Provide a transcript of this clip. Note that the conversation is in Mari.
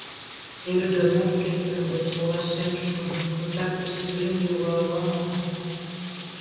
— Эргым, ом керт ынде, колашем шуын... пытартыш вӱрем йога ала мо?..